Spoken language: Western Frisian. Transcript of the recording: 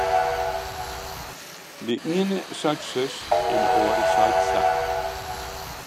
De iene seit sus en de oare seit sa.